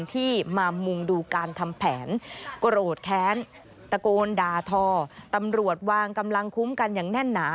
ที่มามุงดูการทำแผนโกรธแค้นตะโกนด่าทอตำรวจวางกำลังคุ้มกันอย่างแน่นหนา